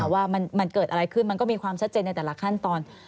ว่ามันเกิดอะไรขึ้นมันก็มีความชัดเจนในแต่ละขั้นตอน